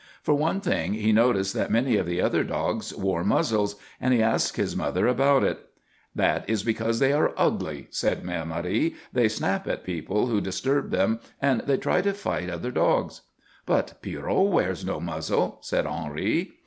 For one thing, he noticed that many of the other dogs wore muzzles, and he asked his mother about it. "That is because they are ugly," said Mère Marie. "They snap at people who disturb them and they try to fight other dogs." "But Pierrot wears no muzzle," said Henri.